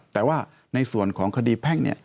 แต่ว่าในส่วนของคดีแพ่ง